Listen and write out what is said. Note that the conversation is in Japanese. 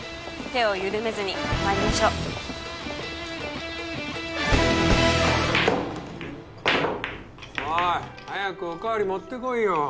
手を緩めずにまいりましょうオイ早くおかわり持ってこいよ・